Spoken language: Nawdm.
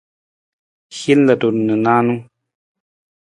Hin ludu na nijanu.